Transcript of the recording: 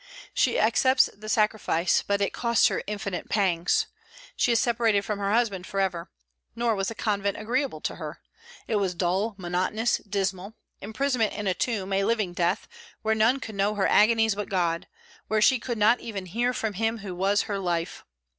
She accepts the sacrifice, but it costs her infinite pangs. She is separated from her husband forever. Nor was the convent agreeable to her. It was dull, monotonous, dismal; imprisonment in a tomb, a living death, where none could know her agonies but God; where she could not even hear from him who was her life.